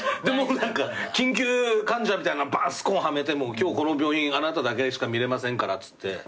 でもう緊急患者みたいのスコーンはめて今日この病院あなただけしか診れませんからっつって。